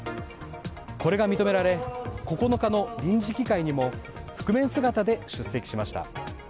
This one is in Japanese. これが認められ９日の臨時議会にも覆面姿で出席しました。